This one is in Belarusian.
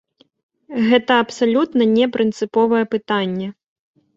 Гэта абсалютна не прынцыповае пытанне.